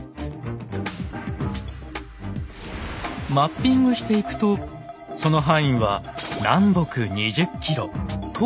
マッピングしていくとその範囲は南北２０キロ東西１０キロ。